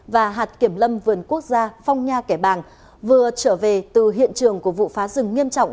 và hạt kiểm lâm vườn quốc gia phong nha kẻ bàng vừa trở về từ hiện trường của vụ phá rừng nghiêm trọng